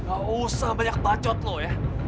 eh gak usah banyak bacot lo ya